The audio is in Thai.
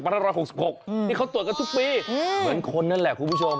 ที่เขาตรวจกันทุกปีเหมือนคนนั่นแหละคุณผู้ชม